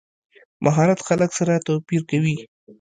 مهارت خلک سره توپیر کوي.